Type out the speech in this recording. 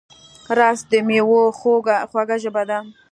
رس د مېوې خوږه ژبه ده